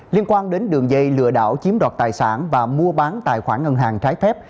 liên quan đến đường dây lừa đảo chiếm đoạt tài sản và mua bán tài khoản ngân hàng trái phép